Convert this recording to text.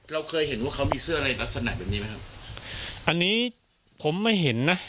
เราเคยเห็นว่าเขามีเสื้ออะไรลักษณะแบบนี้ไหมครับอันนี้ผมไม่เห็นนะ